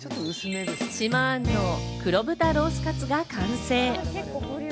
島安納黒豚ロースカツが完成。